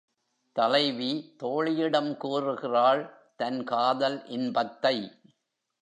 தலைவி தோழியிடம் கூறுகிறாள் தன் காதல் இன்பத்தை.